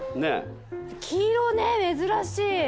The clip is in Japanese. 黄色ね珍しい。